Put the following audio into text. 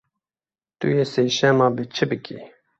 Tu yê sêşema bê çi bikî?